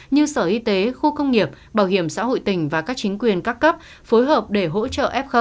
như sở y tế khu công nghiệp bảo hiểm xã hội tỉnh và các chính quyền các cấp phối hợp để hỗ trợ f